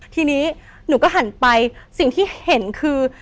ทีนี้หนูก็หันไปสิ่งที่เห็นคือ